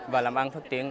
và làm ăn phát triển